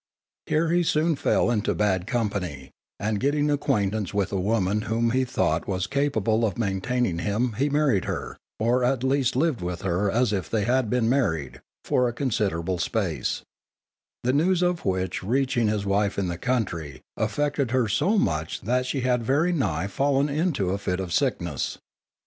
Here he soon fell into bad company, and getting acquaintance with a woman whom he thought was capable of maintaining him, he married her, or at least lived with her as if they had been married, for a considerable space; the news of which reaching his wife in the country, affected her so much that she had very nigh fallen into a fit of sickness.